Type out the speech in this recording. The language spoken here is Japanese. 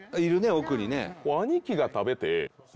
奥にね。